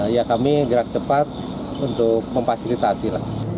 ya kami gerak cepat untuk memfasilitasi lah